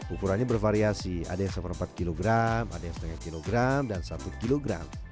ukurannya bervariasi ada yang satu empat kg ada yang satu lima kg dan satu kg